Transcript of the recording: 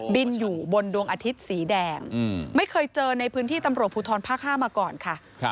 บินอยู่บนดวงอาทิตย์สีแดงไม่เคยเจอในพื้นที่ตำรวจภูทรภาค๕มาก่อนค่ะ